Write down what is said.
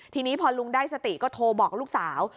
ทีนี้พอลุงได้สติก็โทรบอกลูกสาว